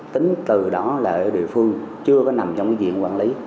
tính từ đó là ở địa phương chưa có nằm trong cái diện quản lý